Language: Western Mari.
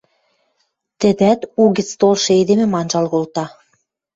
тӹдӓт угӹц толшы эдемӹм анжал колта.